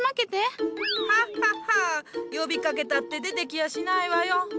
ハッハッハ呼びかけたって出てきやしないわよ。